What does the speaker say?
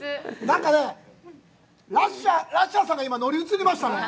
なんかね、ラッシャーさんが今、乗り移りましたね。